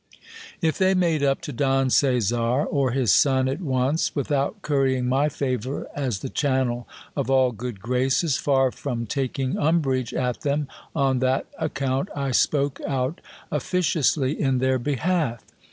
If they made up to Don Caesar or his son at once, with out currying my favour as the channel of all good graces, far from taking umbrage at them on that account, I spoke out officiously in their behalf.